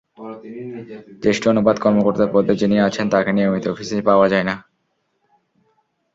জ্যেষ্ঠ অনুবাদ কর্মকর্তার পদে যিনি আছেন, তাঁকে নিয়মিত অফিসে পাওয়া যায় না।